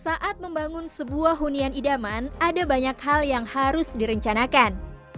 saat membangun sebuah hunian idaman ada banyak hal yang harus direncanakan